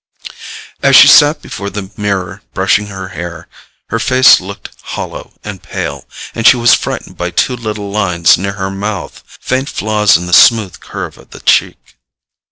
As she sat before the mirror brushing her hair, her face looked hollow and pale, and she was frightened by two little lines near her mouth, faint flaws in the smooth curve of the cheek.